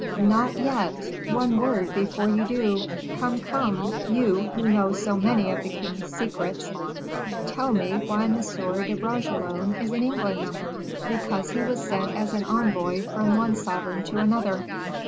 "Not yet, one word before you do: come, come, you who know so many of the king's secrets, tell me why M. de Bragelonne is in England?" "Because he was sent as an envoy from one sovereign to another."